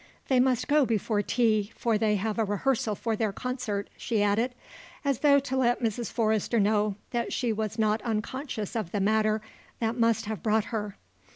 They must go before tea, for they have a rehearsal for their concert," she added, as though to let Mrs. Forrester know that she was not unconscious of the matter that must have brought her.